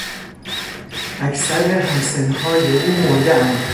اکثر همسنهای او مردهاند.